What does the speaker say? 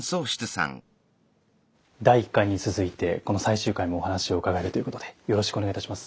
第一回に続いてこの最終回もお話を伺えるということでよろしくお願いいたします。